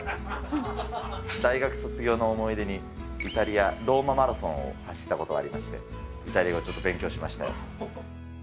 大学卒業の思い出に、イタリア・ローママラソンを走ったことがありまして、イタリア語をちょっと勉強しましたよ。